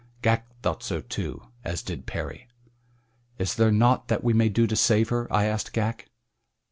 Ghak thought so too, as did Perry. "Is there naught that we may do to save her?" I asked Ghak.